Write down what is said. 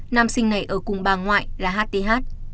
nam sinh này ở cùng bà ngoại là hth